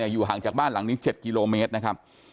อยู่ห่างจากบ้านหลังนี้๗กิโลเมตรนะครับ